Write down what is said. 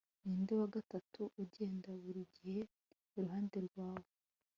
Ninde wa gatatu ugenda buri gihe iruhande rwawe